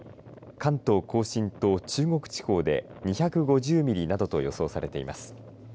関東甲信と中国地方で２５０ミリなどと予想されています。